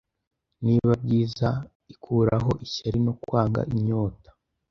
Nibi byiza ikuraho Ishyari no Kwanga inyota